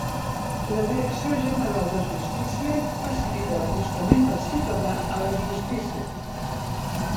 La Direcció General de Justícia facilita l'acostament del ciutadà a la Justícia.